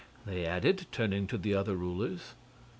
they added, turning to the other rulers.